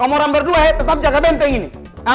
kalo orang berdua tetap jaga benteng ini